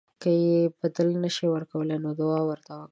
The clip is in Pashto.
که یې بدله نه شئ ورکولی نو دعا ورته وکړئ.